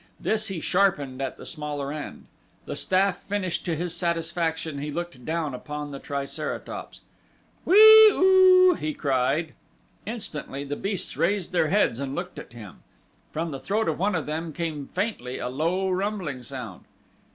This he sharpened at the smaller end. The staff finished to his satisfaction he looked down upon the triceratops. "Whee oo!" he cried. Instantly the beasts raised their heads and looked at him. From the throat of one of them came faintly a low rumbling sound.